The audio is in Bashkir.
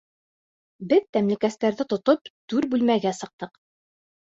Беҙ тәмлекәстәрҙе тотоп түр бүлмәгә сыҡтыҡ.